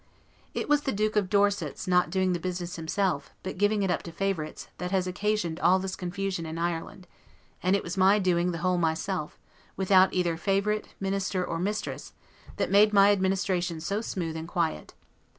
It was the Duke of Dorset's not doing the business himself, but giving it up to favorites, that has occasioned all this confusion in Ireland; and it was my doing the whole myself, without either Favorite, Minister, or Mistress, that made my administration so smooth and quiet.